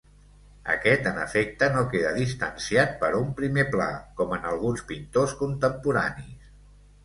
Aquest en efecte no queda distanciat per un primer pla, com en alguns pintors contemporanis.